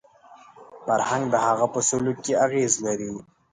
فرهنګ د هغه په سلوک کې اغېز لري